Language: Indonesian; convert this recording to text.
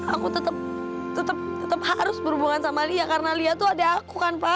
aku tetap harus berhubungan sama lia karena lia tuh ada aku kan pak